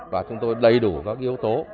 và chúng tôi đầy đủ các yếu tố